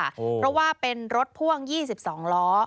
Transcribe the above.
เพราะว่าเป็นรถพ่วง๒๒ล้อ